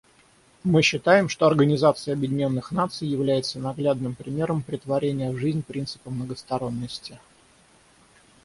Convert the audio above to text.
Мы считаем, что Организация Объединенных Наций является наглядным примером претворения в жизнь принципа многосторонности.